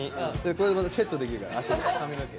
これまたセットできるから汗で髪の毛。